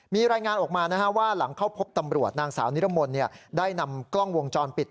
มีรายงานออกมาว่าหลังเข้าพบตำรวจนางสาวนิรมนต์ได้นำกล้องวงจรปิด